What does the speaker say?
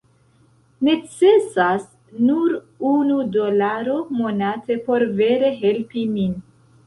Necesas nur unu dolaro monate por vere helpi min